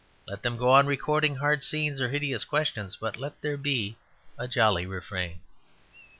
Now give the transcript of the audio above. Let them go on recording hard scenes or hideous questions, but let there be a jolly refrain.